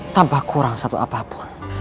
tanpa kurang satu apapun